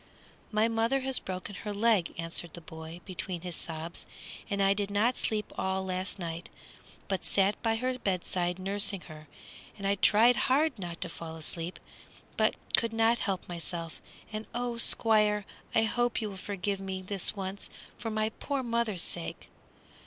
"My mother has broken her leg," answered the boy, between his sobs, "and I did not sleep all last night, but sat by her bedside nursing her. And I tried hard not to fall asleep, but could not help myself; and oh, Squire! I hope you will forgive me this once, for my poor mother's sake!"